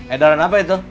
edaran apa itu